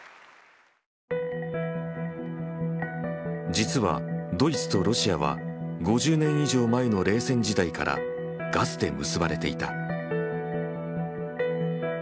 実はドイツとロシアは５０年以上前の冷戦時代からガスで結ばれていた。